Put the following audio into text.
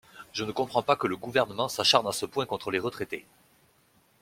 Je ne comprends pas que le Gouvernement s’acharne à ce point contre les retraités.